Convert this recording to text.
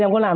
đang chú ý